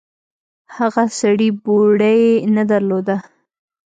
هغه سړي بوړۍ نه درلوده.